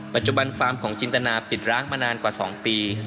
ปัจจุบันฟาร์มของจินตนาปิดร้างมานานกว่า๒ปี